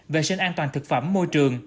vệ sinh an toàn thực phẩm môi trường